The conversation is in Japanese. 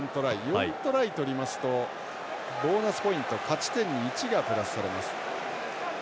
４トライ取りますとボーナスポイント勝ち点に１がプラスされます。